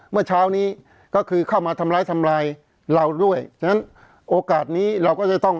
เมื่อเช้านี้ก็คือเข้ามาทำร้ายทำลายเราด้วยฉะนั้นโอกาสนี้เราก็จะต้อง